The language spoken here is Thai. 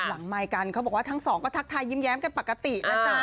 ไมค์กันเขาบอกว่าทั้งสองก็ทักทายยิ้มแย้มกันปกตินะจ๊ะ